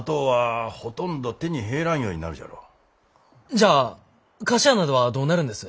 じゃあ菓子屋などはどうなるんです？